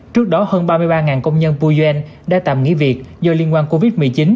trước đó hơn ba mươi ba công nhân pujen đã tạm nghỉ việc do liên quan covid một mươi chín